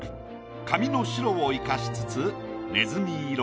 紙の白を生かしつつねずみ色